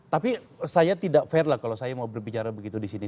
tapi saya tidak fair lah kalau saya mau berbicara begitu di sini